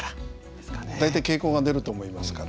大体傾向が出ると思いますから。